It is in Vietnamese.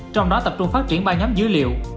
trong đó tập trung phát triển ba nhóm dữ liệu